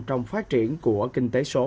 trong phát triển của kinh tế số